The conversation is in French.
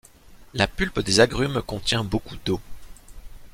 La pulpe des agrumes contient beaucoup d'eau.